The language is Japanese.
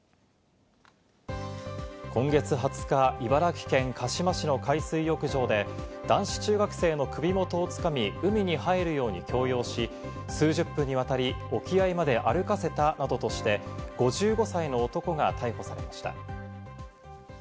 今月２０日、茨城県鹿嶋市の海水浴場で男子中学生の首元をつかみ、海に入るように強要し、数十分にわたり沖合まで歩かせたなどとして５５歳の男が逮捕されました。